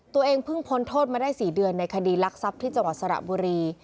ตัวเองเพิ่งพ้นโทษมาได้๔เดือนในคดีรักทรัพย์ที่จังหวัดสระบุรี